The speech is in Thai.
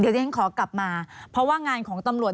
เดี๋ยวที่ฉันขอกลับมาเพราะว่างานของตำรวจ